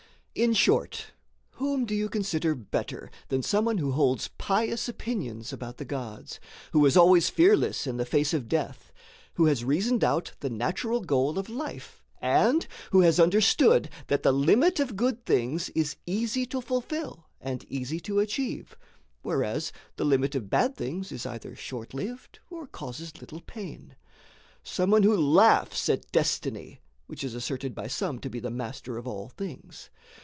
In short, whom do you consider better than someone who holds pious opinions about the gods, who is always fearless in the face of death, who has reasoned out the natural goal of life, and who has understood that the limit of good things is easy to fulfill and easy to achieve, whereas the limit of bad things is either short lived or causes little pain? [note] Someone who laughs at destiny, which is asserted by some to be the master of all things?